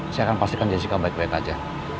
saya akan pastikan jessica baik baik aja